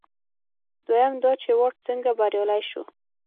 دویم دا چې واټ څنګه بریالی شو.